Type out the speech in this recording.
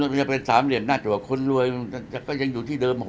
มันยังเป็นสามเหรียญหน้าตัวคุณรวยก็ยังอยู่ที่เดิม